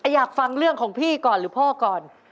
อยากฟังเรื่องของพี่ก่อนหรือพ่อก่อน